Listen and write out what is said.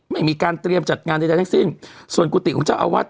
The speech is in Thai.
ไม่มีการเตรียมจัดงานใดทั้งสิ้นส่วนกุฏิของเจ้าอาวาส